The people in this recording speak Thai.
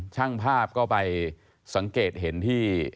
ช่างภาพก็ไปสังเกตเห็นที่